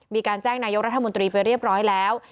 มีการแจ้งนายกรัฐมนตรีไปเรียบร้อยแล้ว